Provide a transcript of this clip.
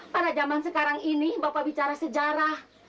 pada zaman sekarang ini bapak bicara sejarah